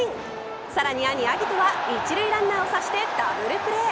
さらに兄、晶音は１塁ランナーを刺してダブルプレー。